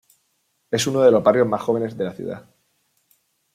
Es uno de los barrios más jóvenes de la ciudad.